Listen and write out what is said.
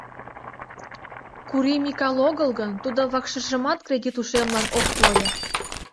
Кури Микал огыл гын, тудо вакшыжымат кредит ушемлан ок пу ыле.